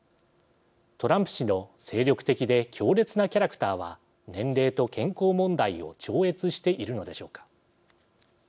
トランプ氏の精力的で強烈なキャラクターは年齢と健康問題を超越しているのでしょうか。